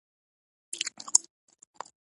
هلک له خندا نه ژوند جوړوي.